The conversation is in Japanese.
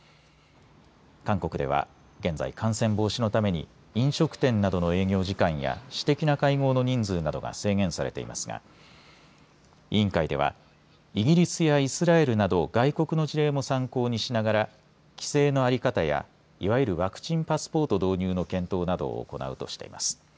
韓国では現在、感染防止のために飲食店などの営業時間や私的な会合の人数などが制限されていますが委員会ではイギリスやイスラエルなど外国の事例も参考にしながら規制の在り方やいわゆるワクチンパスポート導入の検討などを行うとしています。